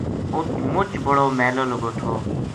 اُت مچ بڑو میلو لگو تھو